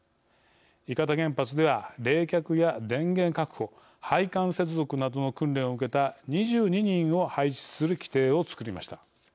伊方原発では冷却や電源確保、配管接続などの訓練を受けた２２人を配置する規定を作りました。